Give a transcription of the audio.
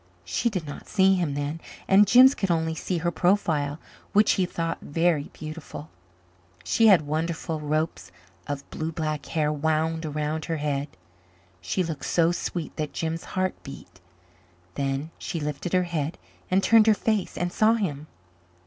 She did not see him then and Jims could only see her profile, which he thought very beautiful. She had wonderful ropes of blue black hair wound around her head. She looked so sweet that Jims' heart beat. Then she lifted her head and turned her face and saw him.